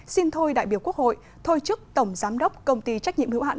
xin thôi đại biểu quốc hội thôi chức tổng giám đốc công ty trách nhiệm hữu hạn